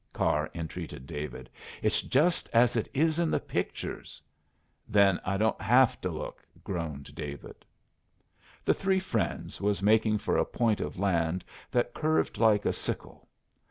Carr entreated David. "It's just as it is in the pictures!" "Then I don't have to look," groaned David. The Three Friends was making for a point of land that curved like a sickle.